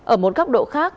ở một góc độ khác